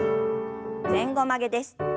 前後曲げです。